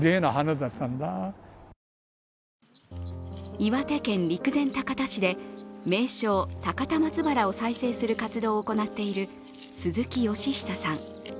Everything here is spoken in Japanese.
岩手県陸前高田市で名勝・高田松原の再生活動を行っている鈴木善久さん。